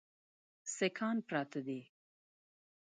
سیکهان پراته دي.